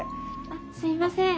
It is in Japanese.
あっすいません。